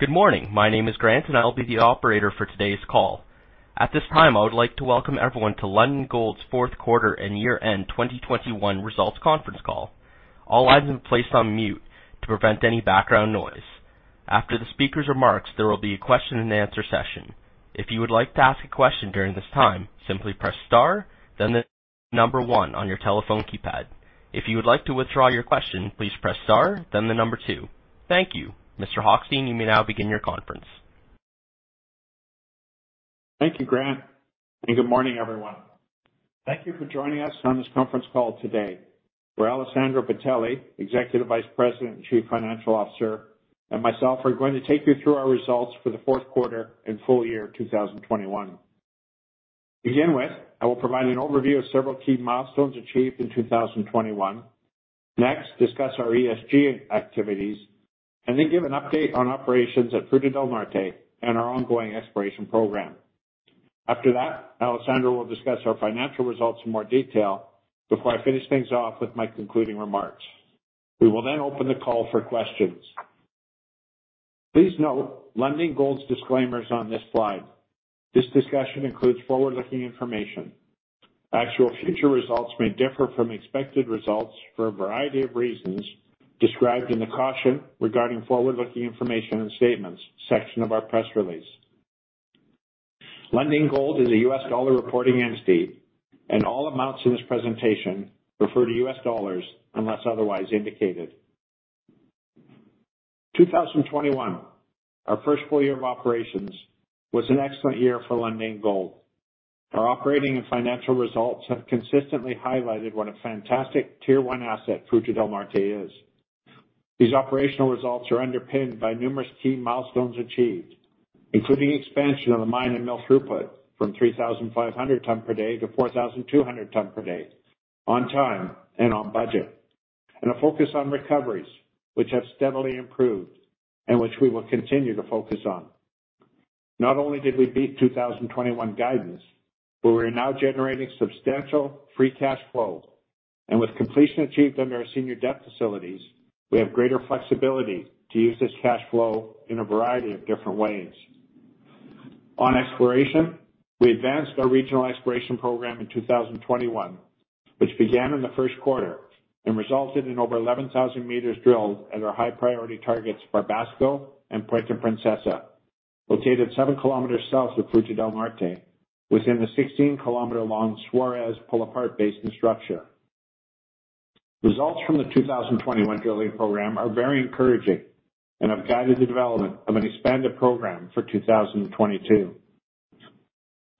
Good morning. My name is Grant, and I'll be the operator for today's call. At this time, I would like to welcome everyone to Lundin Gold's fourth quarter and year-end 2021 results conference call. All lines have been placed on mute to prevent any background noise. After the speaker's remarks, there will be a question-and-answer session. If you would like to ask a question during this time, simply press star, then number one on your telephone keypad. If you would like to withdraw your question, please press star, then number two. Thank you. Mr. Hochstein, you may now begin your conference. Thank you, Grant, and good morning, everyone. Thank you for joining us on this conference call today, where Alessandro Bitelli, Executive Vice President and Chief Financial Officer, and myself are going to take you through our results for the fourth quarter and full year 2021. To begin with, I will provide an overview of several key milestones achieved in 2021. Next, discuss our ESG activities, and then give an update on operations at Fruta del Norte and our ongoing exploration program. After that, Alessandro will discuss our financial results in more detail before I finish things off with my concluding remarks. We will then open the call for questions. Please note Lundin Gold's disclaimers on this slide. This discussion includes forward-looking information. Actual future results may differ from expected results for a variety of reasons described in the Caution Regarding Forward-Looking Information and Statements section of our press release. Lundin Gold is a U.S. dollar reporting entity, and all amounts in this presentation refer to U.S. dollars unless otherwise indicated. 2021, our first full year of operations, was an excellent year for Lundin Gold. Our operating and financial results have consistently highlighted what a fantastic tier one asset Fruta del Norte is. These operational results are underpinned by numerous key milestones achieved, including expansion of the mine and mill throughput from 3,500 tonnes per day to 4,200 tonnes per day, on time and on budget. A focus on recoveries, which have steadily improved and which we will continue to focus on. Not only did we beat 2021 guidance, but we're now generating substantial free cash flow. With completion achieved under our senior debt facilities, we have greater flexibility to use this cash flow in a variety of different ways. On exploration, we advanced our regional exploration program in 2021, which began in the first quarter and resulted in over 11,000 m drilled at our high priority targets, Barbasco and Puente-Princesa, located 7 km south of Fruta del Norte within the 16-km-long Suarez Pull-Apart Basin structure. Results from the 2021 drilling program are very encouraging and have guided the development of an expanded program for 2022.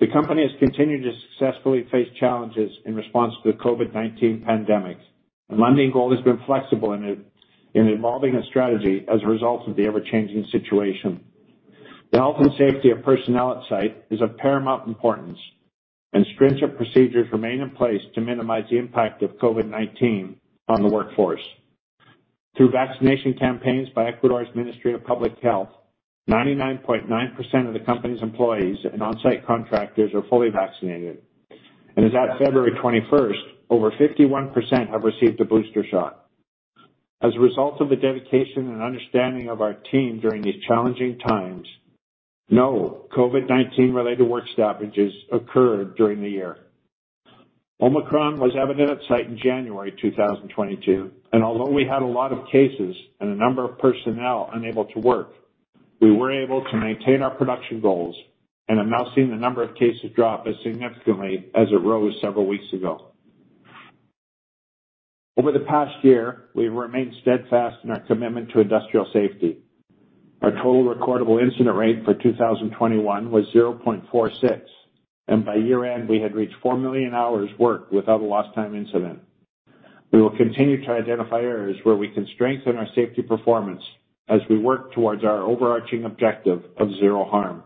The company has continued to successfully face challenges in response to the COVID-19 pandemic. Lundin Gold has been flexible in evolving a strategy as a result of the ever-changing situation. The health and safety of personnel at site is of paramount importance, and stringent procedures remain in place to minimize the impact of COVID-19 on the workforce. Through vaccination campaigns by Ecuador's Ministry of Public Health, 99.9% of the company's employees and on-site contractors are fully vaccinated. As at February 21st, over 51% have received a booster shot. As a result of the dedication and understanding of our team during these challenging times, no COVID-19 related work stoppages occurred during the year. Omicron was evident at site in January 2022, and although we had a lot of cases and a number of personnel unable to work, we were able to maintain our production goals and are now seeing the number of cases drop as significantly as it rose several weeks ago. Over the past year, we've remained steadfast in our commitment to industrial safety. Our total recordable incident rate for 2021 was 0.46, and by year-end, we had reached 4 million hours worked without a lost time incident. We will continue to identify areas where we can strengthen our safety performance as we work towards our overarching objective of zero harm.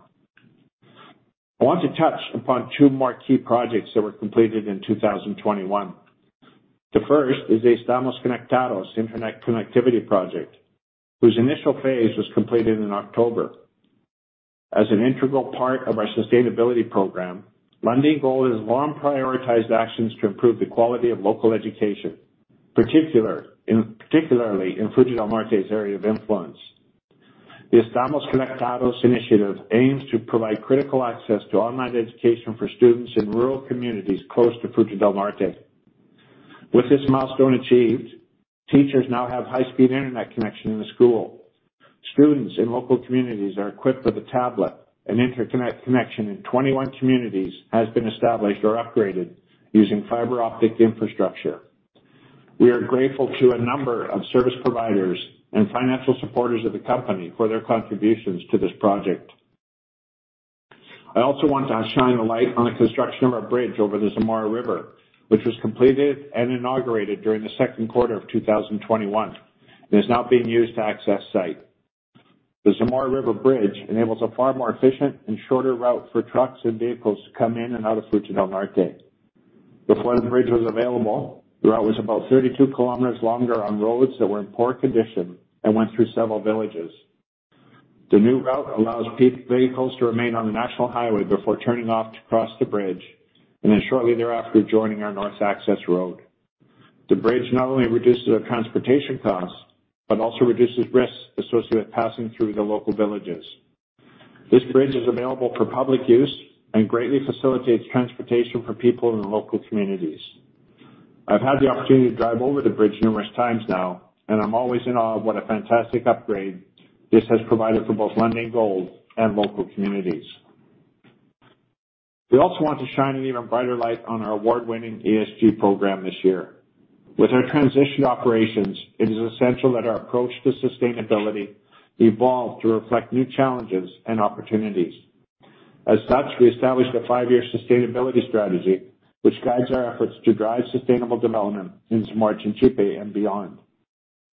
I want to touch upon two more key projects that were completed in 2021. The first is the Estamos Conectados internet connectivity project, whose initial phase was completed in October. As an integral part of our sustainability program, Lundin Gold has long prioritized actions to improve the quality of local education, particularly in Fruta del Norte's area of influence. The Estamos Conectados initiative aims to provide critical access to online education for students in rural communities close to Fruta del Norte. With this milestone achieved, teachers now have high-speed internet connection in the school. Students in local communities are equipped with a tablet, and internet connection in 21 communities has been established or upgraded using fiber-optic infrastructure. We are grateful to a number of service providers and financial supporters of the company for their contributions to this project. I also want to shine a light on the construction of our bridge over the Zamora River, which was completed and inaugurated during the second quarter of 2021, and is now being used to access the site. The Zamora River Bridge enables a far more efficient and shorter route for trucks and vehicles to come in and out of Fruta del Norte. Before the bridge was available, the route was about 32 km longer on roads that were in poor condition and went through several villages. The new route allows vehicles to remain on the national highway before turning off to cross the bridge, and then shortly thereafter, joining our north access road. The bridge not only reduces our transportation costs, but also reduces risks associated with passing through the local villages. This bridge is available for public use and greatly facilitates transportation for people in the local communities. I've had the opportunity to drive over the bridge numerous times now, and I'm always in awe of what a fantastic upgrade this has provided for both Lundin Gold and local communities. We also want to shine an even brighter light on our award-winning ESG program this year. With our transition operations, it is essential that our approach to sustainability evolve to reflect new challenges and opportunities. As such, we established a five-year sustainability strategy which guides our efforts to drive sustainable development in Zamora-Chinchipe and beyond.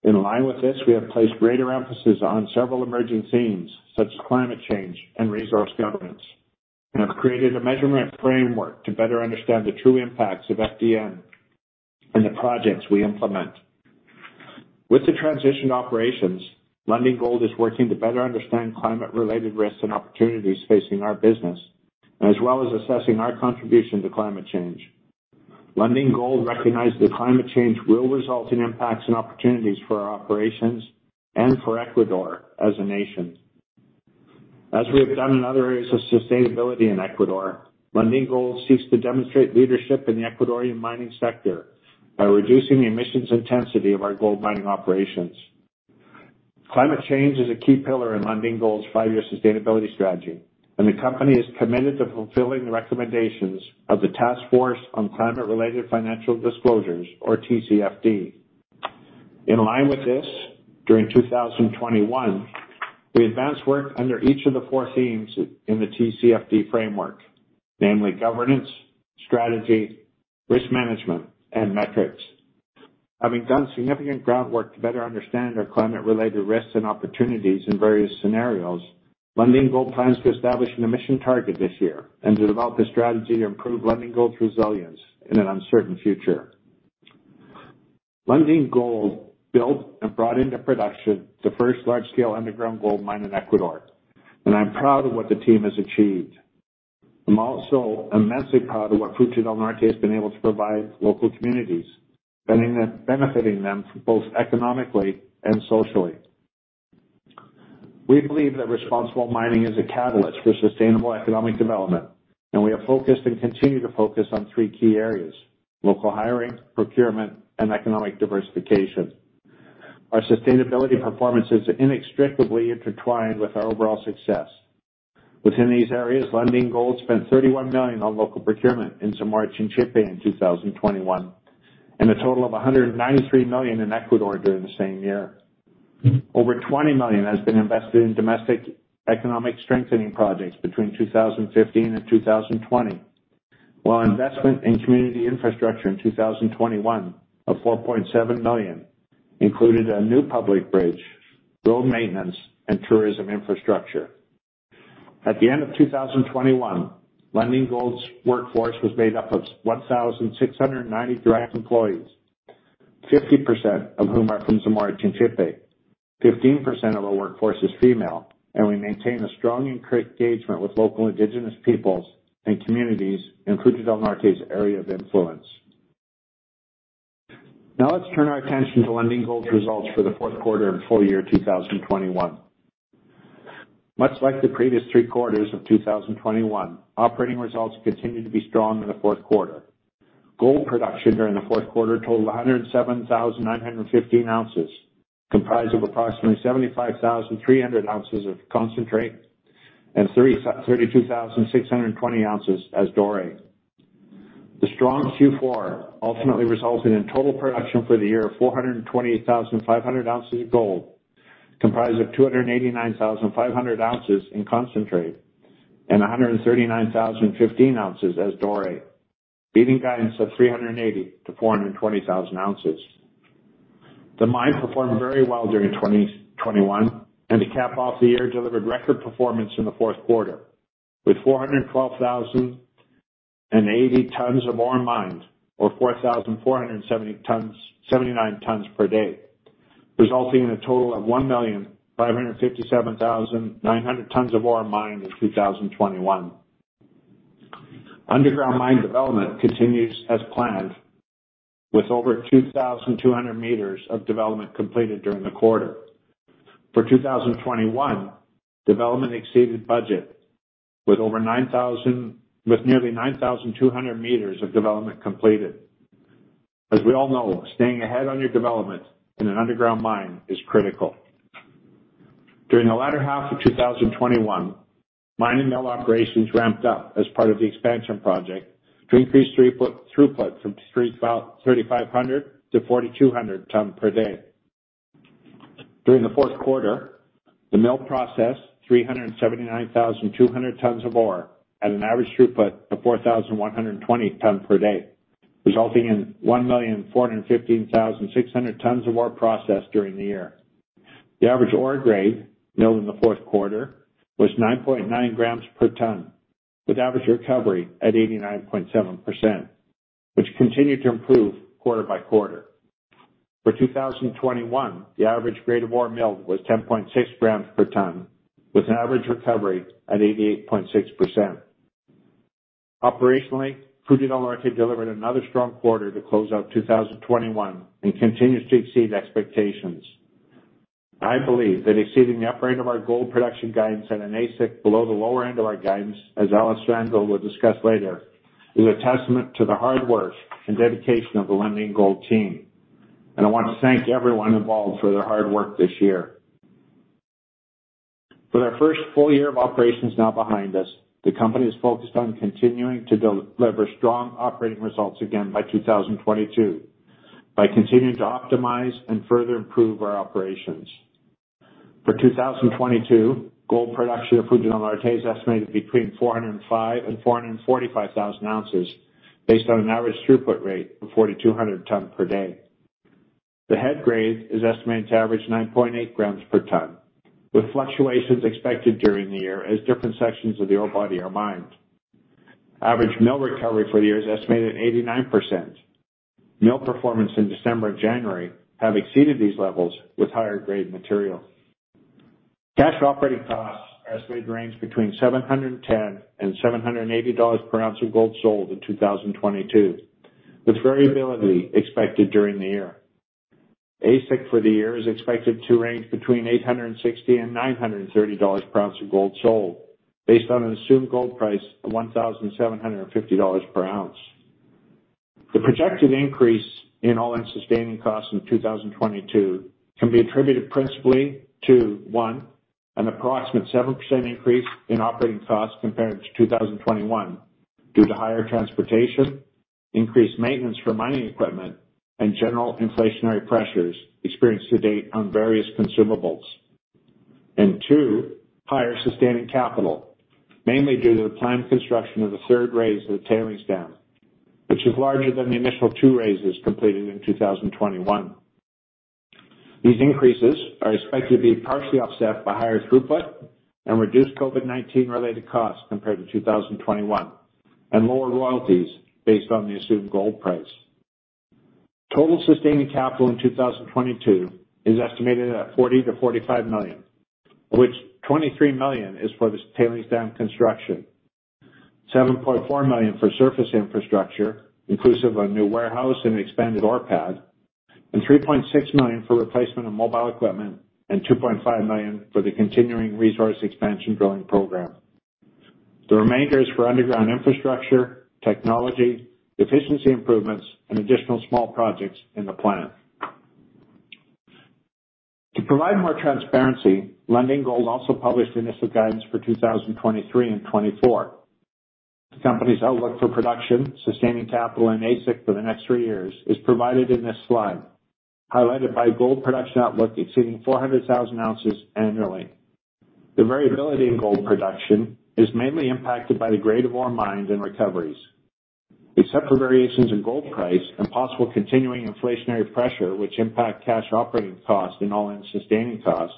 In line with this, we have placed greater emphasis on several emerging themes such as climate change and resource governance, and have created a measurement framework to better understand the true impacts of FDN and the projects we implement. With the transition to operations, Lundin Gold is working to better understand climate-related risks and opportunities facing our business, as well as assessing our contribution to climate change. Lundin Gold recognizes that climate change will result in impacts and opportunities for our operations and for Ecuador as a nation. As we have done in other areas of sustainability in Ecuador, Lundin Gold seeks to demonstrate leadership in the Ecuadorian mining sector by reducing the emissions intensity of our gold mining operations. Climate change is a key pillar in Lundin Gold's five-year sustainability strategy, and the company is committed to fulfilling the recommendations of the Task Force on Climate-Related Financial Disclosures, or TCFD. In line with this, during 2021, we advanced work under each of the four themes in the TCFD framework, namely governance, strategy, risk management, and metrics. Having done significant groundwork to better understand our climate-related risks and opportunities in various scenarios, Lundin Gold plans to establish an emission target this year and to develop a strategy to improve Lundin Gold's resilience in an uncertain future. Lundin Gold built and brought into production the first large-scale underground gold mine in Ecuador, and I'm proud of what the team has achieved. I'm also immensely proud of what Fruta del Norte has been able to provide local communities, benefiting them both economically and socially. We believe that responsible mining is a catalyst for sustainable economic development, and we have focused and continue to focus on three key areas, local hiring, procurement, and economic diversification. Our sustainability performance is inextricably intertwined with our overall success. Within these areas, Lundin Gold spent $31 million on local procurement in Zamora-Chinchipe in 2021, and a total of $193 million in Ecuador during the same year. Over $20 million has been invested in domestic economic strengthening projects between 2015 and 2020, while investment in community infrastructure in 2021 of $4.7 million included a new public bridge, road maintenance, and tourism infrastructure. At the end of 2021, Lundin Gold's workforce was made up of 1,690 direct employees, 50% of whom are from Zamora-Chinchipe. 15% of the workforce is female, and we maintain a strong engagement with local indigenous peoples and communities in Fruta del Norte's area of influence. Now let's turn our attention to Lundin Gold's results for the fourth quarter and full year 2021. Much like the previous three quarters of 2021, operating results continued to be strong in the fourth quarter. Gold production during the fourth quarter totaled 107,915 oz, comprised of approximately 75,300 oz of concentrate and 32,620 oz as doré. The strong Q4 ultimately resulted in total production for the year of 428,500 oz of gold, comprised of 289,500 oz in concentrate and 139,015 oz as doré, beating guidance of 380,000-420,000 oz. The mine performed very well during 2021, and to cap off the year, delivered record performance in the fourth quarter with 412,080 tonnes of ore mined, or 4,479 tonnes per day, resulting in a total of 1,557,900 tonnes of ore mined in 2021. Underground mine development continues as planned with over 2,200 m of development completed during the quarter. For 2021, development exceeded budget with nearly 9,200 m of development completed. As we all know, staying ahead on your development in an underground mine is critical. During the latter half of 2021, mine and mill operations ramped up as part of the expansion project to increase throughput from 3,500 to 4,200 tonnes per day. During the fourth quarter, the mill processed 379,200 tonnes of ore at an average throughput of 4,120 tonnes per day, resulting in 1,415,600 tonnes of ore processed during the year. The average ore grade milled in the fourth quarter was 9.9 g/t, with average recovery at 89.7%, which continued to improve quarter by quarter. For 2021, the average grade of ore milled was 10.6 g/t, with an average recovery at 88.6%. Operationally, Fruta del Norte delivered another strong quarter to close out 2021 and continues to exceed expectations. I believe that exceeding the upper end of our gold production guidance and an AISC below the lower end of our guidance, as Alessandro will discuss later, is a testament to the hard work and dedication of the Lundin Gold team, and I want to thank everyone involved for their hard work this year. With our first full year of operations now behind us, the company is focused on continuing to deliver strong operating results again in 2022 by continuing to optimize and further improve our operations. For 2022, gold production at Fruta del Norte is estimated between 405,000 oz and 445,000 oz based on an average throughput rate of 4,200 tonnes per day. The head grade is estimated to average 9.8 g/t, with fluctuations expected during the year as different sections of the ore body are mined. Average mill recovery for the year is estimated at 89%. Mill performance in December and January have exceeded these levels with higher grade material. Cash operating costs are estimated to range between $710 and $780 per oz of gold sold in 2022, with variability expected during the year. AISC for the year is expected to range between $860 and $930 per oz of gold sold based on an assumed gold price of $1,750 per oz. The projected increase in all-in sustaining costs in 2022 can be attributed principally to one, an approximate 7% increase in operating costs compared to 2021 due to higher transportation, increased maintenance for mining equipment, and general inflationary pressures experienced to date on various consumables. Two, higher sustaining capital, mainly due to the planned construction of the third raise of the tailings dam, which is larger than the initial two raises completed in 2021. These increases are expected to be partially offset by higher throughput and reduced COVID-19 related costs compared to 2021, and lower royalties based on the assumed gold price. Total sustaining capital in 2022 is estimated at $40 million-$45 million, of which $23 million is for this tailings dam construction. $7.4 million for surface infrastructure, inclusive of new warehouse and expanded ore pad, and $3.6 million for replacement of mobile equipment and $2.5 million for the continuing resource expansion drilling program. The remainder is for underground infrastructure, technology, efficiency improvements, and additional small projects in the plant. To provide more transparency, Lundin Gold also published initial guidance for 2023 and 2024. The company's outlook for production, sustaining capital, and AISC for the next three years is provided in this slide, highlighted by gold production outlook exceeding 400,000 oz annually. The variability in gold production is mainly impacted by the grade of ore mined and recoveries. Except for variations in gold price and possible continuing inflationary pressure which impact cash operating cost and all-in sustaining cost,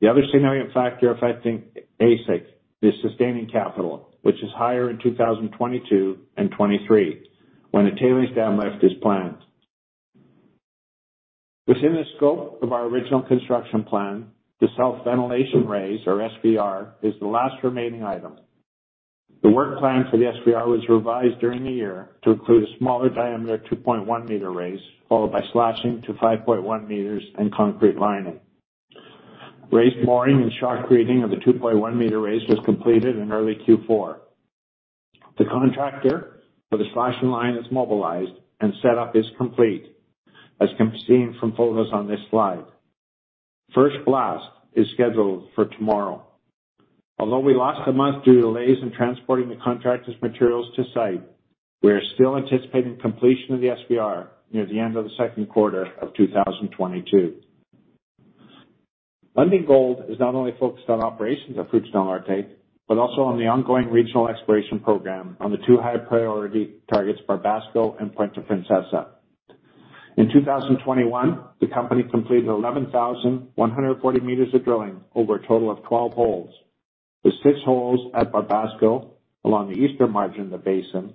the other significant factor affecting AISC is sustaining capital, which is higher in 2022 and 2023 when the tailings dam lift is planned. Within the scope of our original construction plan, the self-ventilation raise, or SVR, is the last remaining item. The work plan for the SVR was revised during the year to include a smaller diameter 2.1 m raise, followed by slashing to 5.1 m and concrete lining. Raise boring and reaming of the 2.1 m raise was completed in early Q4. The contractor for the slash and line is mobilized and set up is complete, as can be seen from photos on this slide. First blast is scheduled for tomorrow. Although we lost a month due to delays in transporting the contractor's materials to site, we are still anticipating completion of the SVR near the end of the second quarter of 2022. Lundin Gold is not only focused on operations at Fruta del Norte, but also on the ongoing regional exploration program on the two high priority targets, Barbasco and Puente-Princesa. In 2021, the company completed 11,140 m of drilling over a total of 12 holes, with six holes at Barbasco along the eastern margin of the basin,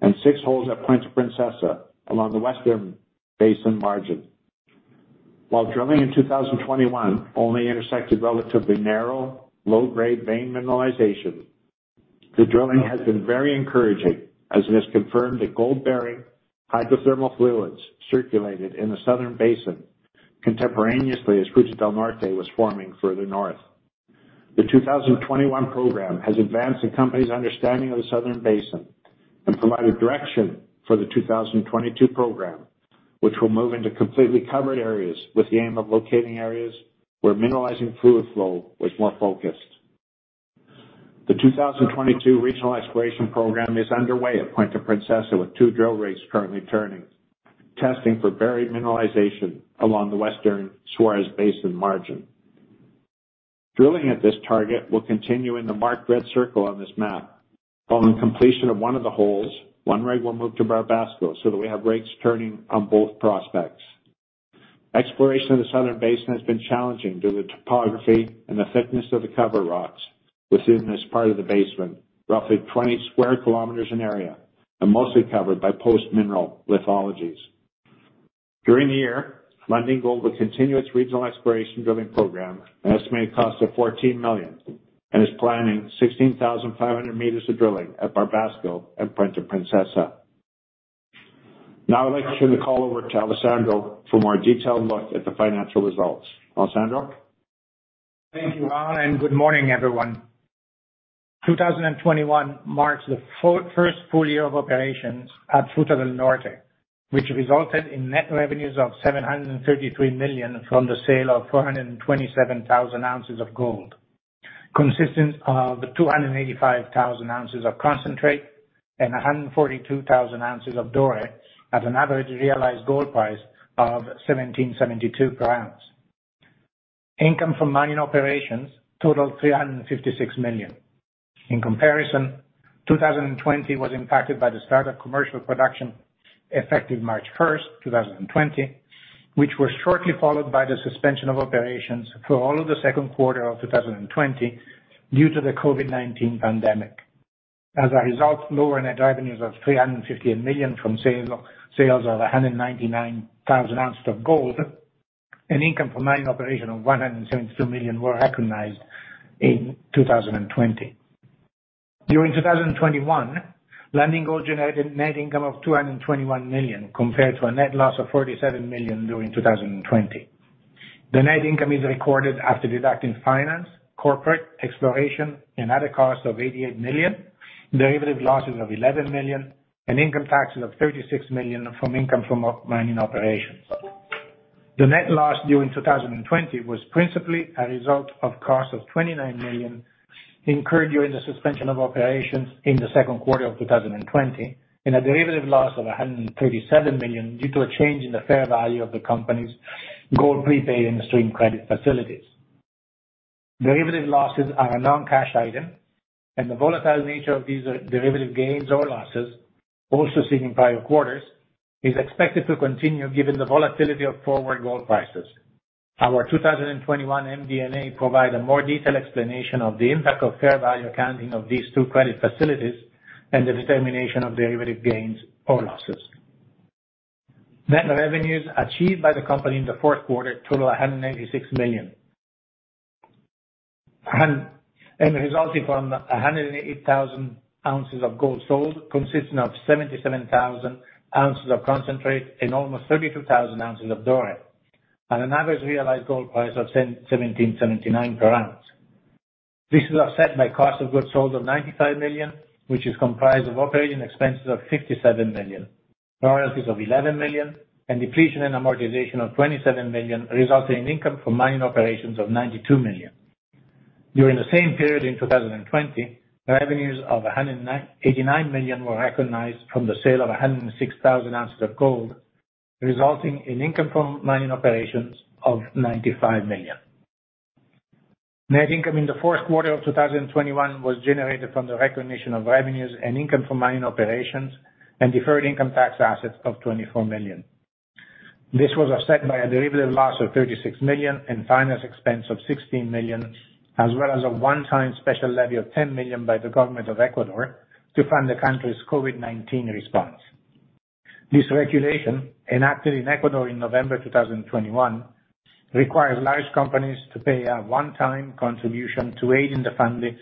and six holes at Puente-Princesa along the western basin margin. While drilling in 2021 only intersected relatively narrow low-grade vein mineralization, the drilling has been very encouraging as it has confirmed that gold-bearing hydrothermal fluids circulated in the southern basin contemporaneously as Fruta del Norte was forming further north. The 2021 program has advanced the company's understanding of the southern basin and provided direction for the 2022 program, which will move into completely covered areas with the aim of locating areas where mineralizing fluid flow was more focused. The 2022 regional exploration program is underway at Puente-Princesa with two drill rigs currently turning, testing for buried mineralization along the western Suarez Basin margin. Drilling at this target will continue in the marked red circle on this map. Following completion of one of the holes, one rig will move to Barbasco so that we have rigs turning on both prospects. Exploration of the southern basin has been challenging due to topography and the thickness of the cover rocks. Within this part of the basement, roughly 20 sq km in area and mostly covered by post-mineral lithologies. During the year, Lundin Gold will continue its regional exploration drilling program, an estimated cost of $14 million, and is planning 16,500 m of drilling at Barbasco and Puente-Princesa. Now I'd like to turn the call over to Alessandro for a more detailed look at the financial results. Alessandro? Thank you, Ron, and good morning, everyone. 2021 marks the first full year of operations at Fruta del Norte, which resulted in net revenues of $733 million from the sale of 427,000 oz of gold, consisting of 285,000 oz of concentrate and 142,000 oz of doré at an average realized gold price of $1,772 per oz. Income from mining operations totaled $356 million. In comparison, 2020 was impacted by the start of commercial production effective March 1st, 2020, which was shortly followed by the suspension of operations for all of the second quarter of 2020 due to the COVID-19 pandemic. As a result, lower net revenues of $358 million from sales of 199,000 oz of gold and income from mining operations of $172 million were recognized in 2020. During 2021, Lundin Gold generated net income of $221 million compared to a net loss of $47 million during 2020. The net income is recorded after deducting finance, corporate exploration and other costs of $88 million, derivative losses of $11 million, and income taxes of $36 million from income from mining operations. The net loss during 2020 was principally a result of costs of $29 million incurred during the suspension of operations in the second quarter of 2020, and a derivative loss of $137 million due to a change in the fair value of the company's gold prepay and stream credit facilities. Derivative losses are a non-cash item, and the volatile nature of these, derivative gains or losses, also seen in prior quarters, is expected to continue given the volatility of forward gold prices. Our 2021 MD&A provide a more detailed explanation of the impact of fair value accounting of these two credit facilities and the determination of derivative gains or losses. Net revenues achieved by the company in the fourth quarter totaled $186 million and resulting from 188,000 oz of gold sold consisting of 77,000 oz of concentrate and almost 32,000 oz of doré at an average realized gold price of $1,779 per oz. This is offset by cost of goods sold of $95 million, which is comprised of operating expenses of $57 million, royalties of $11 million, and depletion and amortization of $27 million, resulting in income from mining operations of $92 million. During the same period in 2020, revenues of $89 million were recognized from the sale of 106,000 oz of gold, resulting in income from mining operations of $95 million. Net income in the fourth quarter of 2021 was generated from the recognition of revenues and income from mining operations and deferred income tax assets of $24 million. This was offset by a derivative loss of $36 million and finance expense of $16 million, as well as a one-time special levy of $10 million by the government of Ecuador to fund the country's COVID-19 response. This regulation, enacted in Ecuador in November 2021, requires large companies to pay a one-time contribution to aid in the funding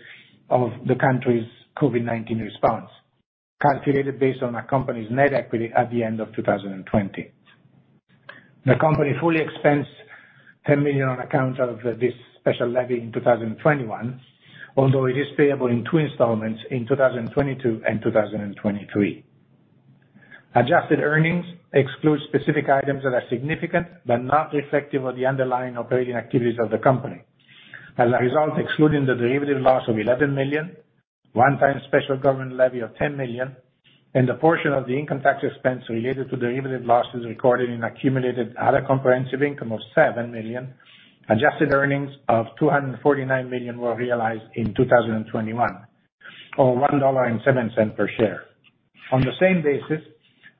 of the country's COVID-19 response, calculated based on a company's net equity at the end of 2020. The company fully expensed $10 million on accounts of this special levy in 2021. Although it is payable in two installments in 2022 and 2023. Adjusted earnings exclude specific items that are significant but not reflective of the underlying operating activities of the company. As a result, excluding the derivative loss of $11 million, one-time special government levy of $10 million, and the portion of the income tax expense related to derivative losses recorded in accumulated other comprehensive income of $7 million, adjusted earnings of $249 million were realized in 2021, or $1.07 per share. On the same basis,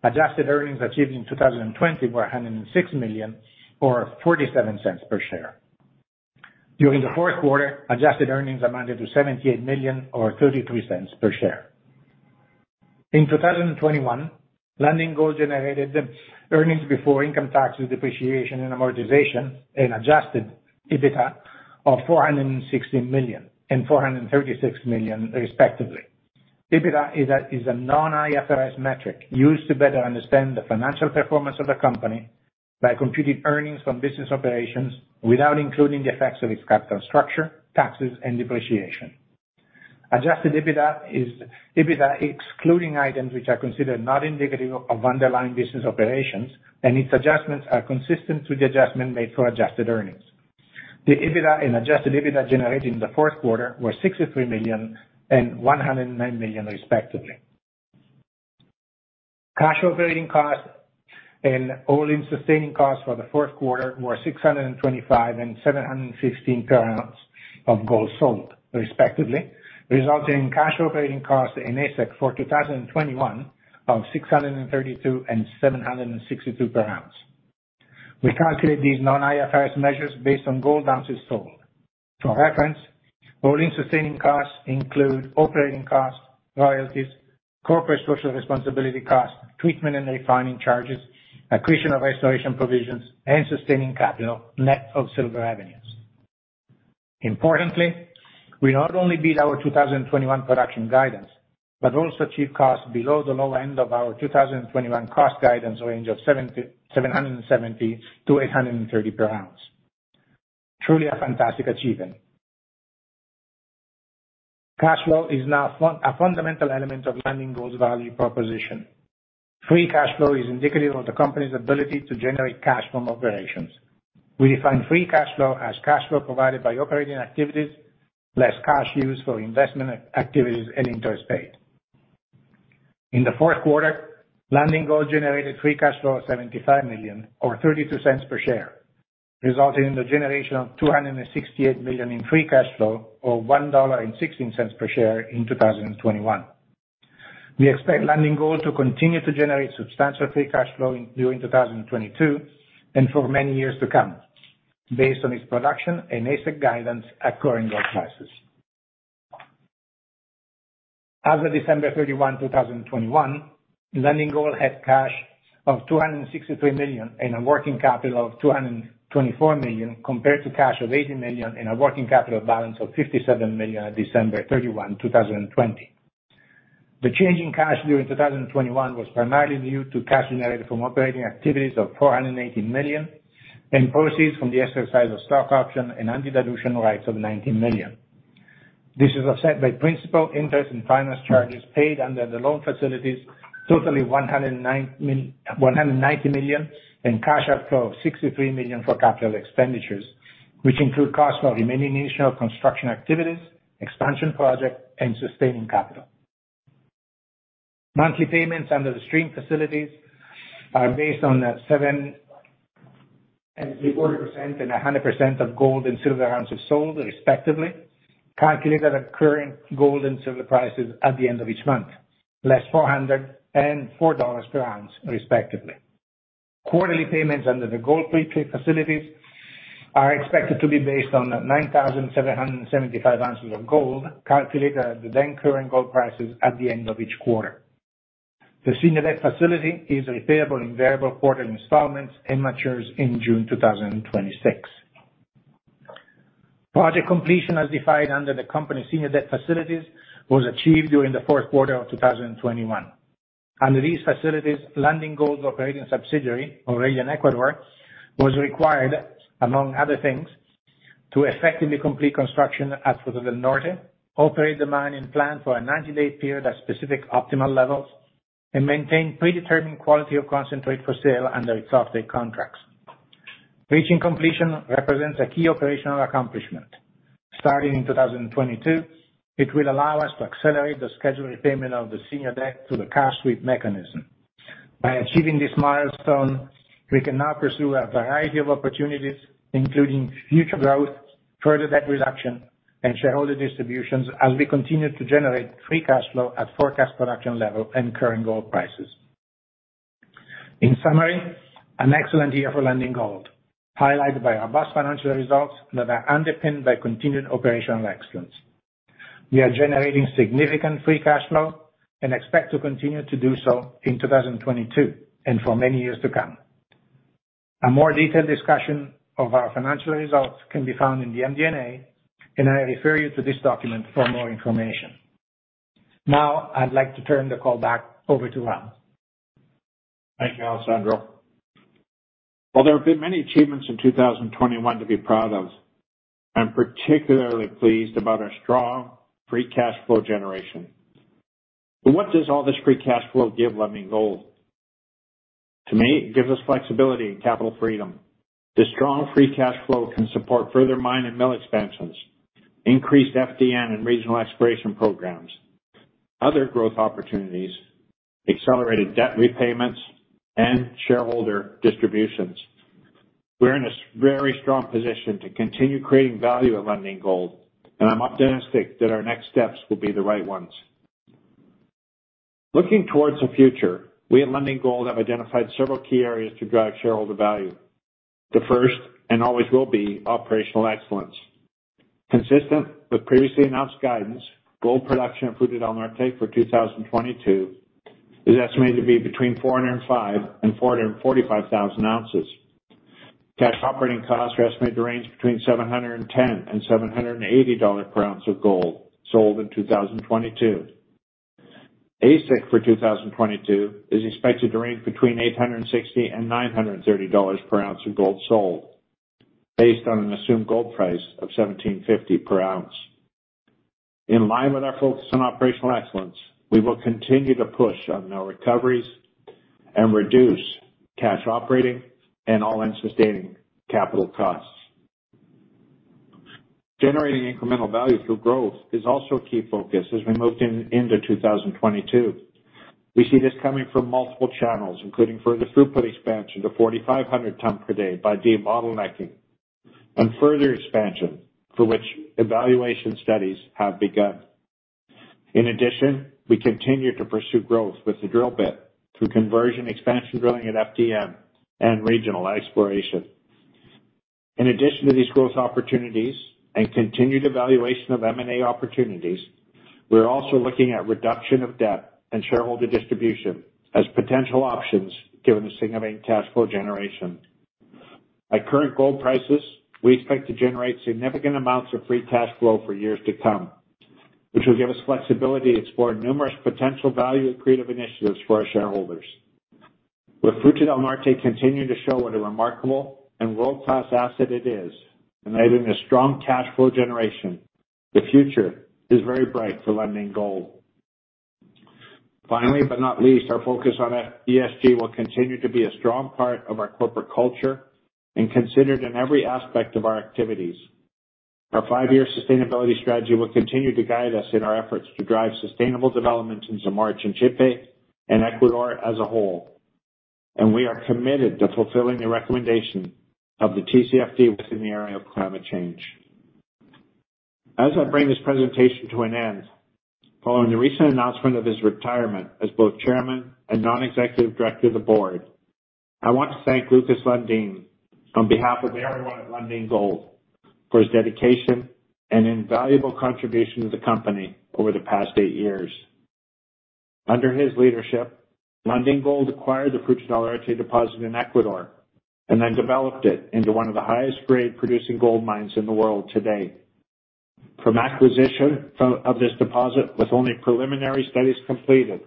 adjusted earnings achieved in 2020 were $106 million or $0.47 per share. During the fourth quarter, adjusted earnings amounted to $78 million or $0.33 per share. In 2021, Lundin Gold generated earnings before income taxes, depreciation, and amortization, and adjusted EBITDA of $460 million and $436 million, respectively. EBITDA is a non-IFRS metric used to better understand the financial performance of the company by computing earnings from business operations without including the effects of its capital structure, taxes, and depreciation. Adjusted EBITDA is EBITDA excluding items which are considered not indicative of underlying business operations, and its adjustments are consistent to the adjustment made for adjusted earnings. The EBITDA and adjusted EBITDA generated in the fourth quarter were $63 million and $109 million, respectively. Cash operating costs and all-in sustaining costs for the fourth quarter were $625 and $716 per oz of gold sold, respectively, resulting in cash operating costs and AISC for 2021 of $632 and $762 per oz. We calculate these non-IFRS measures based on gold oz sold. For reference, all-in sustaining costs include operating costs, royalties, corporate social responsibility costs, treatment and refining charges, accretion of restoration provisions, and sustaining capital net of silver revenues. Importantly, we not only beat our 2021 production guidance, but also achieved costs below the low end of our 2021 cost guidance range of $770-$830 per oz. Truly a fantastic achievement. Cash flow is now a fundamental element of Lundin Gold's value proposition. Free cash flow is indicative of the company's ability to generate cash from operations. We define free cash flow as cash flow provided by operating activities, less cash used for investment activities and interest paid. In the fourth quarter, Lundin Gold generated free cash flow of $75 million or $0.32 per share, resulting in the generation of $268 million in free cash flow or $1.16 per share in 2021. We expect Lundin Gold to continue to generate substantial free cash flow in 2022 and for many years to come, based on its production and AISC guidance at current gold prices. As of December 31, 2021, Lundin Gold had cash of $263 million and a working capital of $224 million compared to cash of $80 million and a working capital balance of $57 million at December 31, 2020. The change in cash during 2021 was primarily due to cash generated from operating activities of $480 million and proceeds from the exercise of stock options and anti-dilution rights of $19 million. This is offset by principal, interest, and finance charges paid under the loan facilities, totaling $190 million and cash outflow of $63 million for capital expenditures, which include costs for remaining initial construction activities, expansion projects, and sustaining capital. Monthly payments under the stream facilities are based on the 7.75% and 100% of gold and silver ounces sold respectively, calculated at current gold and silver prices at the end of each month, less $404 per oz, respectively. Quarterly payments under the gold prepay facilities are expected to be based on 9,775 oz of gold calculated at the then current gold prices at the end of each quarter. The senior debt facility is repayable in variable quarterly installments and matures in June 2026. Project completion, as defined under the company's senior debt facilities, was achieved during the fourth quarter of 2021. Under these facilities, Lundin Gold's operating subsidiary, Aurelian Ecuador, was required, among other things, to effectively complete construction at Fruta del Norte, operate the mine on plan for a 90-day period at specific optimal levels, and maintain predetermined quality of concentrate for sale under its off-take contracts. Reaching completion represents a key operational accomplishment. Starting in 2022, it will allow us to accelerate the scheduled repayment of the senior debt to the cash sweep mechanism. By achieving this milestone, we can now pursue a variety of opportunities, including future growth, further debt reduction, and shareholder distributions as we continue to generate free cash flow at forecast production level and current gold prices. In summary, an excellent year for Lundin Gold, highlighted by our best financial results that are underpinned by continued operational excellence. We are generating significant free cash flow and expect to continue to do so in 2022 and for many years to come. A more detailed discussion of our financial results can be found in the MD&A, and I refer you to this document for more information. Now, I'd like to turn the call back over to Ron. Thank you, Alessandro. While there have been many achievements in 2021 to be proud of, I'm particularly pleased about our strong free cash flow generation. What does all this free cash flow give Lundin Gold? To me, it gives us flexibility and capital freedom. This strong free cash flow can support further mine and mill expansions, increased FDN and regional exploration programs, other growth opportunities, accelerated debt repayments, and shareholder distributions. We're in a very strong position to continue creating value at Lundin Gold, and I'm optimistic that our next steps will be the right ones. Looking towards the future, we at Lundin Gold have identified several key areas to drive shareholder value. The first and always will be operational excellence. Consistent with previously announced guidance, gold production at Fruta del Norte for 2022 is estimated to be between 405,000 oz and 445,000 oz. Cash operating costs are estimated to range between $710 and $780 per oz of gold sold in 2022. AISC for 2022 is expected to range between $860 and $930 per oz of gold sold based on an assumed gold price of $1,750 per oz. In line with our focus on operational excellence, we will continue to push on our recoveries and reduce cash operating and all-in-sustaining capital costs. Generating incremental value through growth is also a key focus as we move into 2022. We see this coming from multiple channels, including further throughput expansion to 4,500 tonnes per day by de-bottlenecking and further expansion, for which evaluation studies have begun. In addition, we continue to pursue growth with the drill bit through conversion expansion drilling at FDN and regional exploration. In addition to these growth opportunities and continued evaluation of M&A opportunities, we're also looking at reduction of debt and shareholder distribution as potential options given the significant cash flow generation. At current gold prices, we expect to generate significant amounts of free cash flow for years to come, which will give us flexibility to explore numerous potential value accretive initiatives for our shareholders. With Fruta del Norte continuing to show what a remarkable and world-class asset it is, and adding a strong cash flow generation, the future is very bright for Lundin Gold. Finally, but not least, our focus on ESG will continue to be a strong part of our corporate culture and considered in every aspect of our activities. Our five-year sustainability strategy will continue to guide us in our efforts to drive sustainable development in Zamora-Chinchipe and Ecuador as a whole, and we are committed to fulfilling the recommendation of the TCFD within the area of climate change. As I bring this presentation to an end, following the recent announcement of his retirement as both Chairman and non-executive Director of the board, I want to thank Lukas Lundin on behalf of everyone at Lundin Gold for his dedication and invaluable contribution to the company over the past eight years. Under his leadership, Lundin Gold acquired the Fruta del Norte deposit in Ecuador and then developed it into one of the highest grade producing gold mines in the world today. From acquisition of this deposit with only preliminary studies completed,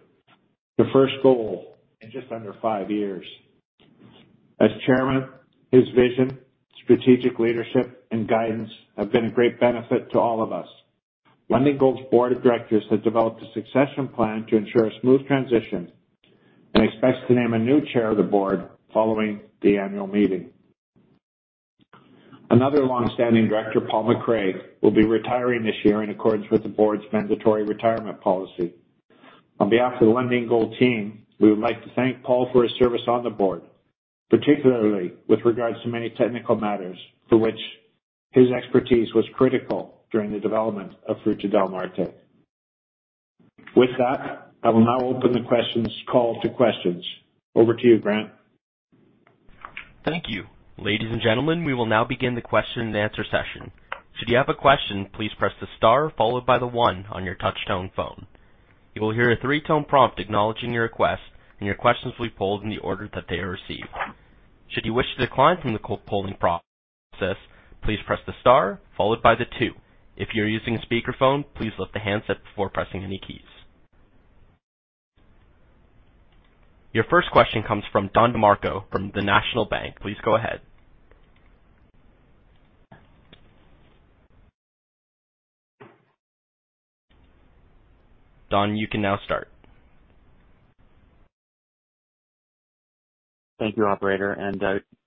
the first goal in just under five years. As chairman, his vision, strategic leadership, and guidance have been a great benefit to all of us. Lundin Gold's board of directors has developed a succession plan to ensure a smooth transition and expects to name a new chair of the board following the annual meeting. Another long-standing director, Paul McRae, will be retiring this year in accordance with the board's mandatory retirement policy. On behalf of the Lundin Gold team, we would like to thank Paul for his service on the board, particularly with regards to many technical matters for which his expertise was critical during the development of Fruta del Norte. With that, I will now open the call to questions. Over to you, Grant. Thank you. Ladies and gentlemen, we will now begin the question and answer session. Should you have a question, please press the star followed by the one on your touch-tone phone. You will hear a three-tone prompt acknowledging your request, and your questions will be polled in the order that they are received. Should you wish to decline from the cold polling process, please press the star followed by the two. If you're using a speakerphone, please lift the handset before pressing any keys. Your first question comes from Don DeMarco from the National Bank. Please go ahead. Don, you can now start. Thank you, operator, and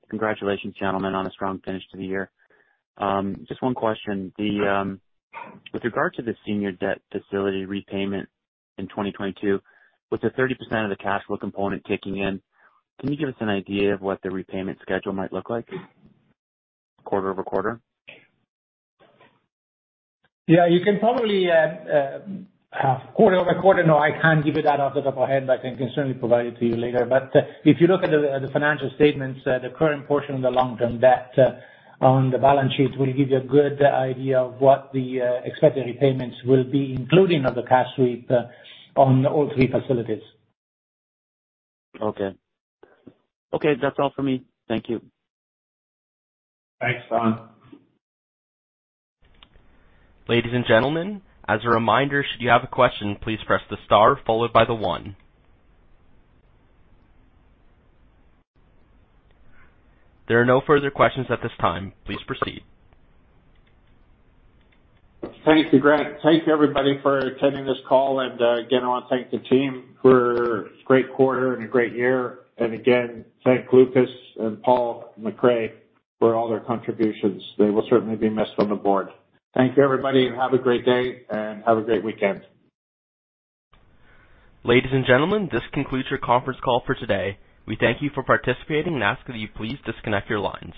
congratulations, gentlemen, on a strong finish to the year. Just one question. With regard to the senior debt facility repayment in 2022, with the 30% of the cash flow component kicking in, can you give us an idea of what the repayment schedule might look like? Quarter-over-quarter? Yeah, you can probably quarter-over-quarter, no, I can't give you that off the top of my head, but I can certainly provide it to you later. If you look at the financial statements, the current portion of the long-term debt on the balance sheet will give you a good idea of what the expected repayments will be including of the cash sweep on all three facilities. Okay. Okay, that's all for me. Thank you. Thanks, Don. Ladies and gentlemen, as a reminder, should you have a question, please press the star followed by the one. There are no further questions at this time. Please proceed. Thank you, Grant. Thank you, everybody, for attending this call. Again, I want to thank the team for a great quarter and a great year. Again, thank Lukas and Paul McRae for all their contributions. They will certainly be missed on the board. Thank you, everybody, and have a great day, and have a great weekend. Ladies and gentlemen, this concludes your conference call for today. We thank you for participating and ask that you please disconnect your lines.